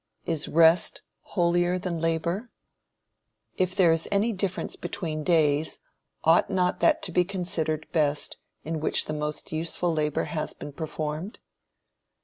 Is rest holier than labor? If there is any difference between days, ought not that to be considered best in which the most useful labor has been performed?